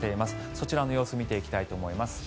そちらの様子見ていきたいと思います。